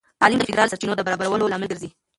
تعلیم د فیدرال سرچینو د برابرولو لامل ګرځي.